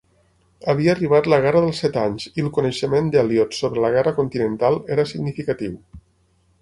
Havia arribat la Guerra dels Set Anys i el coneixement d'Elliott sobre la guerra continental era significatiu.